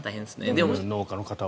農家の方は。